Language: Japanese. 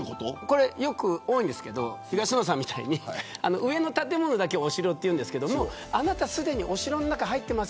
これ多いんですけど東野さんみたいに上の建物だけお城って言うんですけどあなたすでにお城の中に入ってます